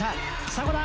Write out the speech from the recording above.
迫田！